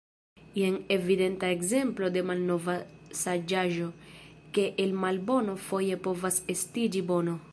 Jen evidenta ekzemplo de malnova saĝaĵo, ke el malbono foje povas estiĝi bono.